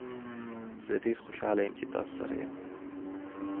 زه ډیر خوشحاله یم چې تاسو سره یم.